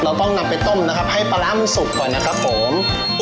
เราต้องนำไปต้มนะครับให้ปลาร้ามันสุกก่อนนะครับผม